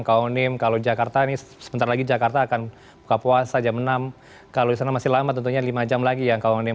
kak onim kalau jakarta ini sebentar lagi jakarta akan buka puasa jam enam kalau di sana masih lama tentunya lima jam lagi ya kang onim